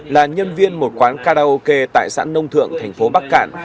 là nhân viên một quán karaoke tại xã nông thượng thành phố bắc cạn